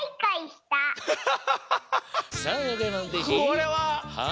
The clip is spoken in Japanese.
これは。